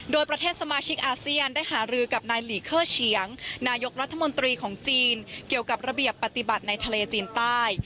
โดยประเทศสมาชิกอาเซียนได้หารือกับนายหลีเคอร์เฉียงนายกรัฐมนตรีของจีนเกี่ยวกับระเบียบปฏิบัติในทะเลจีนใต้